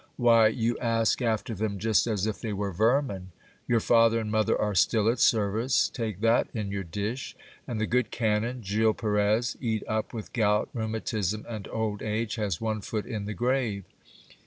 Why, you ask after them just as if they were vermin ! Your father and mother are still at service ; take that in your dish ! And the good canon, Gil Perez, eat up with gout, rheumatism, and old age, has one foot in the grave.